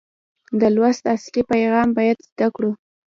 د لوست اصلي پیغام باید زده کړو.